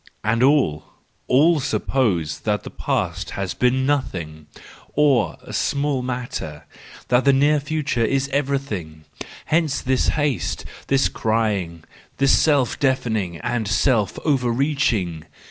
And all, all, suppose that the past has been nothing, or a small matter, that the near future is everything: hence this haste, this crying, this self deafening and self overreaching